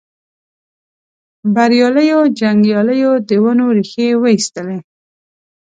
بریالیو جنګیالیو د ونو ریښې وایستلې.